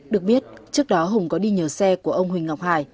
được biết trước đó hùng có đi nhờ xe của ông huỳnh ngọc hải